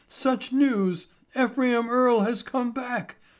Such news! Ephraim Earle has come back!